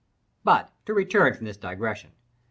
But to return from this digression.